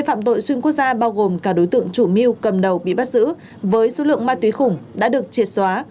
phạm tội xuyên quốc gia bao gồm cả đối tượng chủ mưu cầm đầu bị bắt giữ với số lượng ma túy khủng đã được triệt xóa